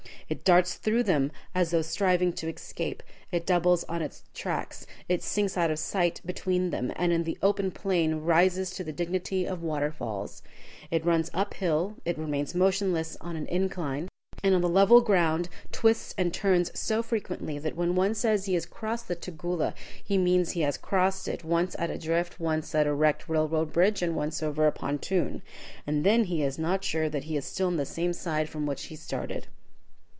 It darts through them as though striving to escape, it doubles on its tracks, it sinks out of sight between them, and in the open plain rises to the dignity of water falls. It runs uphill, and remains motionless on an incline, and on the level ground twists and turns so frequently that when one says he has crossed the Tugela, he means he has crossed it once at a drift, once at the wrecked railroad bridge, and once over a pontoon. And then he is not sure that he is not still on the same side from which he started.